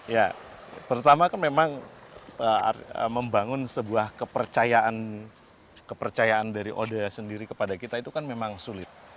ya pertama kan memang membangun sebuah kepercayaan dari oda sendiri kepada kita itu kan memang sulit